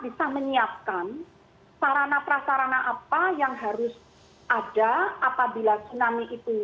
jadi kita bisa menyiapkan sarana prasarana apa yang harus ada apabila tsunami itu berlaku